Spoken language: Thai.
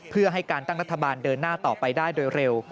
เพื่อให้การตั้งรัฐบาลเดินหน้าต่อไปได้โดยเร็ว